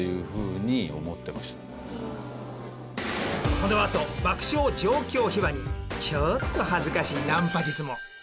このあと爆笑上京秘話にちょーっと恥ずかしいナンパ術も。